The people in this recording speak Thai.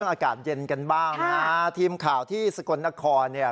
อากาศเย็นกันบ้างนะฮะทีมข่าวที่สกลนครเนี่ย